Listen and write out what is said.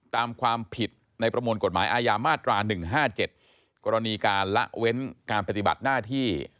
ตามความผิดในประมวลกฎหมายอาญามาตรา๑๕๗กรณีการละเว้นการปฏิบัติหน้าที่